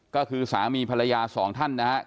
ก็คือสามีภรรยาสองท่านนะครับ